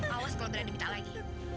awas kalau berani minta lagi